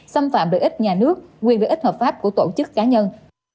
xâm phạm lợi ích nhà nước quyền lợi ích hợp pháp của tổ chức cá nhân